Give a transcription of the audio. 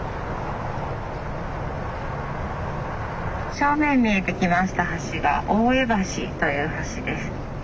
正面見えてきました橋が大江橋という橋です。